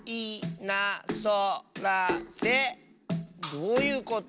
どういうこと？